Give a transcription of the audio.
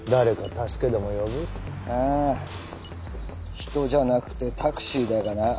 人じゃなくてタクシーだがな。